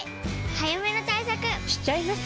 早めの対策しちゃいます。